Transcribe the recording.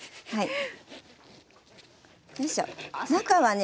はい。